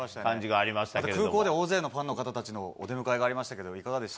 あと空港では大勢のファンの方たちのお出迎えがありましたけ